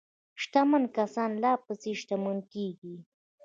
شتمن کسان لا پسې شتمن کیږي.